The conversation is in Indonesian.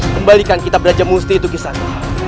kembalikan kita raja musti itu kisantri